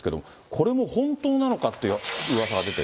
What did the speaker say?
これも本当なのかってうわさが出